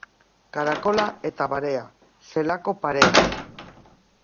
Karakola eta barea, zelako parea.